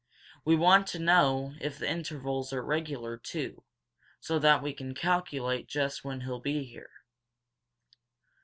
We want to know if the intervals are regular, too, so that we can calculate just when he'll be there."